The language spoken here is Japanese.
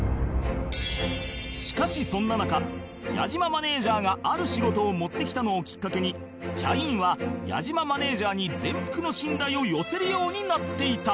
しかしそんな中矢島マネジャーがある仕事を持ってきたのをきっかけにキャインは矢島マネジャーに全幅の信頼を寄せるようになっていた